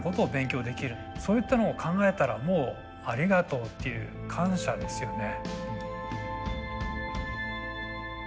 そういったのを考えたらもうありがとうっていう感謝ですよね。